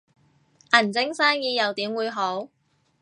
銀晶生意又點會好